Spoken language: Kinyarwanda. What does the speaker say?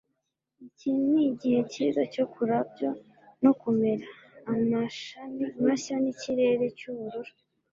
iki nigihe cyiza cyo kurabyo no kumera, amashami mashya nikirere cyubururu